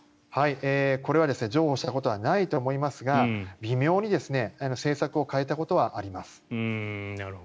これは譲歩したことはないと思いますが微妙に政策を変えたことはあります。